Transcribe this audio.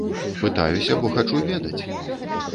Пытаюся, бо хачу ведаць.